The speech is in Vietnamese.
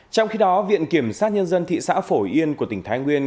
trong khi đó viện kiểm sát nhân dân thị xã phổ yên của tỉnh thái nguyên